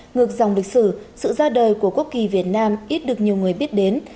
ngược dòng lịch sử sự ra đời của quốc kỳ việt nam ít được nhiều người biết đến